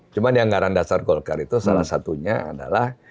cuman yang garan dasar golkar itu salah satunya adalah